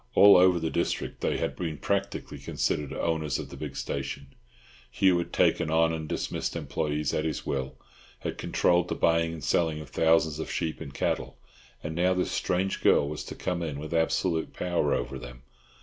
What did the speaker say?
All over the district they had been practically considered owners of the big station; Hugh had taken on and dismissed employees at his will, had controlled the buying and selling of thousands of sheep and cattle, and now this strange girl was to come in with absolute power over them.